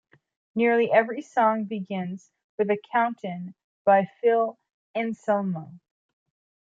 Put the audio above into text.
Nearly every song begins with a count-in by Phil Anselmo.